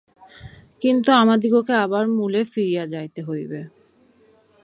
কিন্তু আমাদিগকে আবার মূলে ফিরিয়া যাইতে হইবে।